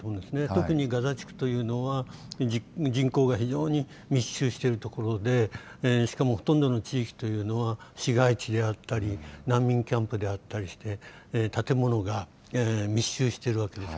特にガザ地区というのは、人口が非常に密集している所で、しかもほとんどの地域というのは、市街地であったり、難民キャンプであったりして、建物が密集しているわけです。